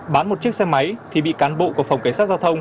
bán một chiếc xe máy thì bị cán bộ của phòng cảnh sát giao thông